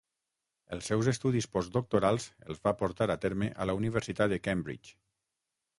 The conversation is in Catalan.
Els seus estudis postdoctorals els va portar a terme a la Universitat de Cambridge.